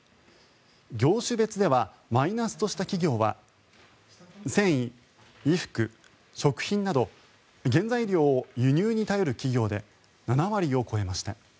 業種別ではマイナスとした企業は繊維・衣服、食品など原材料を輸入に頼る企業で７割を超えました。